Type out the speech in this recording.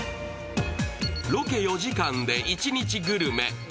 ロケ４時間で一日グルメ。